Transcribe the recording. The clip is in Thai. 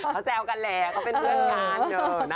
เขาแซวกันแหละเขาเป็นเพื่อนกัน